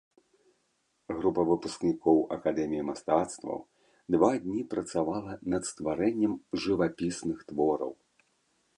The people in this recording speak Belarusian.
Група выпускнікоў акадэміі мастацтваў два дні працавала над стварэннем жывапісных твораў.